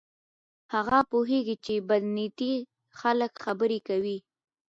هغه پوهیږي چې بد نیتي خلک خبرې کوي.